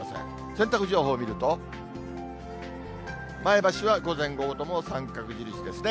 洗濯情報を見ると、前橋は午前、午後とも三角印ですね。